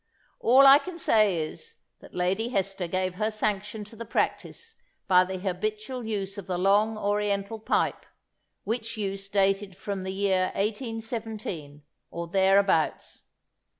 All I can say is, that Lady Hester gave her sanction to the practice by the habitual use of the long Oriental pipe, which use dated from the year 1817, or thereabouts.